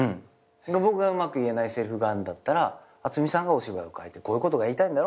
僕がうまく言えないせりふがあるんだったら渥美さんがお芝居を変えて「こういうことが言いたいんだろ？